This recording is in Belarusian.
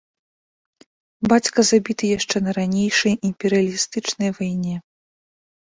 Бацька забіты яшчэ на ранейшай, імперыялістычнай, вайне.